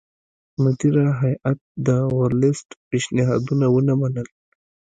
مدیره هیات د ورلسټ پېشنهادونه ونه منل.